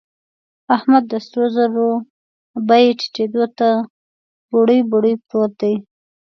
احمد د سرو زرو بيې ټيټېدو ته بوړۍ بوړۍ پروت دی.